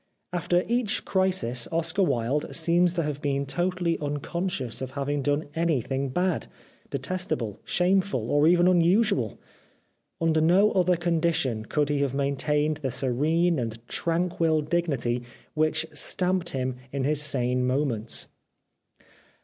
After each crisis Oscar Wilde seems to have been totally unconscious of having done anything bad, de testable, shameful, or even unusual. Under no other condition could he have maintained the serene and tranquil dignity which stamped him in his sane moments.